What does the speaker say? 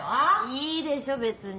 いいでしょ別に。